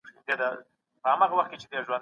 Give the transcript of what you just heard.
هغه د ټولنيز ژوند په اړه ليکنې کړي دي.